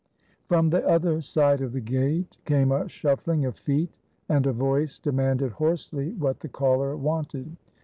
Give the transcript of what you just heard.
From the other side of the gate came a shuffling of feet, and a voice demanded hoarsely what the caller wanted.